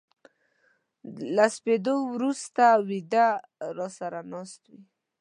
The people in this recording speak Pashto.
له سپېدو ورو سته و يده را سره ناست وې